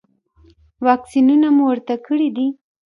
واکسینونه مو ورته کړي دي؟